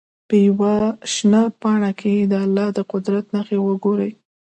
په یوه شنه پاڼه کې دې د الله د قدرت نښې وګوري.